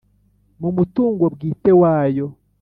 mu mutungo bwite wayo